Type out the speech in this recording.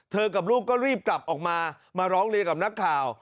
กับลูกก็รีบกลับออกมามาร้องเรียนกับนักข่าว